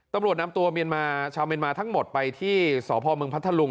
ตำรวจนำตัวเมียนมาชาวเมียนมาทั้งหมดไปที่สพมพัทธลุง